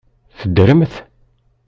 Teddremt?